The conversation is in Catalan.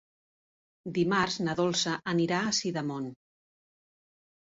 Dimarts na Dolça anirà a Sidamon.